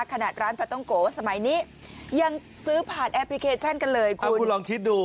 ขณะร้านปลาต้องโกวัดสมัยนี้ยังซื้อผ่านแอปพลิเคชันกันเลยคุณ